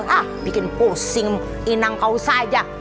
ah bikin pusing inang kau saja